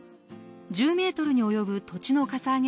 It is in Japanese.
１０メートルにおよぶ土地のかさ上げ